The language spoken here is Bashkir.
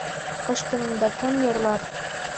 Ҡыш көнөндә кем йырлар?